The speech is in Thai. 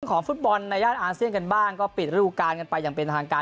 ของฟุตบอลในย่านอาเซียนกันบ้างก็ปิดฤดูการกันไปอย่างเป็นทางการ